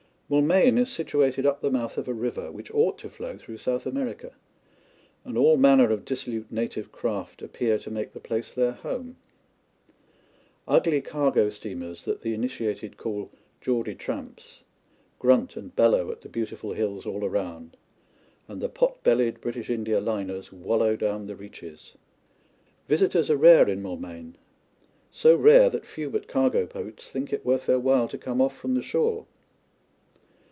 Moulmein is situated up the mouth of a river which ought to flow through South America, and all manner of dissolute native craft appear to make the place their home. Ugly cargo steamers that the initiated call "Geordie tramps" grunt and bellow at the beautiful hills all round, and the pot bellied British India liners wallow down the reaches. Visitors are rare in Moulmein so rare that few but cargo boats think it worth their while to come off from the shore.